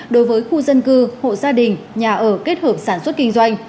đối với khu dân cư hộ gia đình nhà ở kết hợp sản xuất kinh doanh